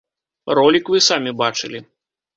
Ролік вы самі бачылі.